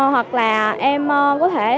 hoặc là em có thể